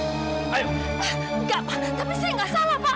enggak pak tapi saya enggak salah pak